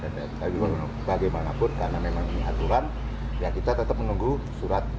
tapi bagaimanapun karena memang ini aturan ya kita tetap menunggu surat